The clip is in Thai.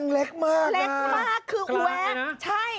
เล็กมากคือแวงใช่